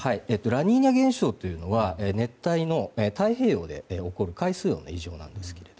ラニーニャ現象というのは熱帯の太平洋で起こる海水温の異常です。